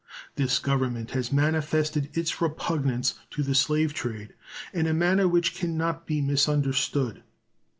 This Government has manifested its repugnance to the slave trade in a manner which can not be misunderstood.